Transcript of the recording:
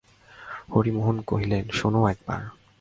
হরিমোহিনী কহিলেন, শোনো একবার!